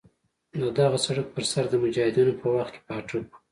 د دغه سړک پر سر د مجاهدینو په وخت کې پاټک وو.